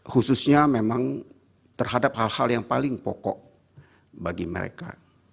khususnya memang terhadap hal hal yang paling pokok bagi mereka